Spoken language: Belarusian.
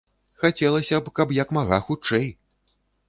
Хацелася б, каб як мага хутчэй!